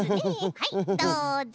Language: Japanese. はいどうぞ。